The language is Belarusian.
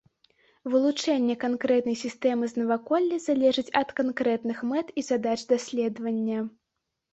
Вылучэнне канкрэтнай сістэмы з наваколля залежыць ад канкрэтных мэт і задач даследавання.